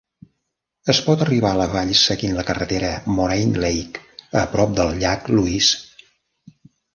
Es pot arribar a la vall seguint la carretera Moraine Lake, a prop del llac Louise.